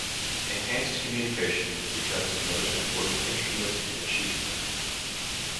Enhanced communication becomes the most important instrument in achieving this.